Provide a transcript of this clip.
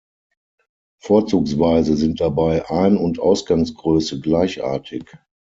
Vorzugsweise sind dabei Ein- und Ausgangsgröße gleichartig.